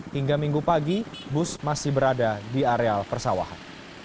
hingga minggu pagi bus masih berada di areal persawahan